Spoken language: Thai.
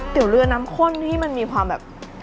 เดี๋ยวเรือน้ำข้นที่มันมีความแบบ